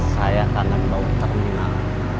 saya kangen bau terminal